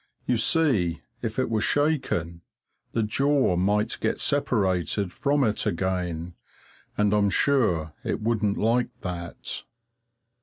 You see, if it were shaken, the jaw might get separated from it again, and I'm sure it wouldn't like that.